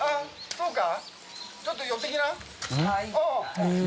そうか。